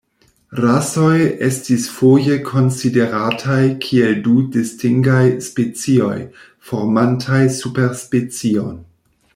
Rasoj estis foje konsiderataj kiel du distingaj specioj, formantaj superspecion.